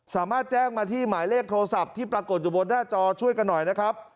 สามารถแจ้งมาที่หมายเลขโทรศัพท์ที่ปรากฏอยู่บนหน้าจอช่วยกันหน่อยนะครับ